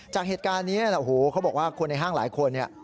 จากเหตุการณ์นี้อัฮูเขาบอกว่าคนในห้างหลายคน